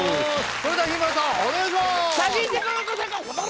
それでは日村さんお願いします！